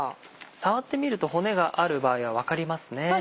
触ってみると骨がある場合は分かりますね。